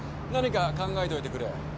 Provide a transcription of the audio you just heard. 何か考えておいてくれ。